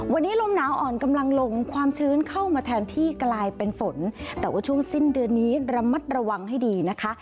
วันนี้ลมหนาวอ่อนกำลังลงความชื้นเข้ามาแทนที่กลายเป็นฝนแต่ว่าช่วงสิ้นเดือนนี้ระมัดระวังให้ดีนะคะ